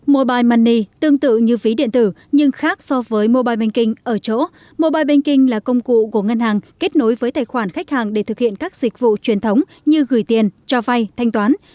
mobile money tương tự như ví điện tử nhưng khác so với mobile banking ở chỗ mobile banking là công cụ của ngân hàng kết nối với tài khoản khách hàng để thực hiện các dịch vụ truyền thống như gửi tiền cho vay thanh toán